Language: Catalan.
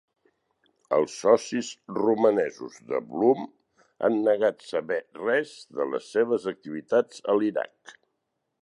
Els socis romanesos de Bloom han negat saber res de les seves activitats a l'Iraq.